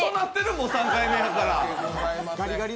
もう３回目やから。